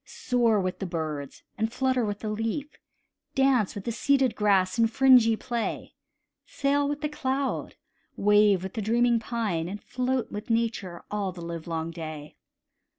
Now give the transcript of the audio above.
Soar with the birds, and flutter with the leaf; Dance with the seeded grass in fringy play; Sail with the cloud, wave with the dreaming pine, And float with Nature all the livelong day.